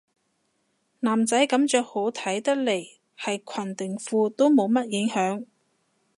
男仔噉着好睇得嚟係裙定褲都冇乜影響